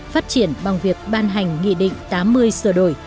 phát triển bằng việc ban hành nghị định tám mươi sửa đổi